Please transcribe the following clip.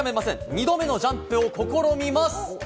２度目のジャンプを試みます。